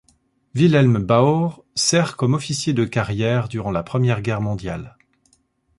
Wilhelm Baur sert comme officier de carrière durant la Première Guerre mondiale.